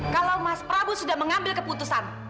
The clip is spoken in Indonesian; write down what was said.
kalau mas prabu sudah mengambil keputusan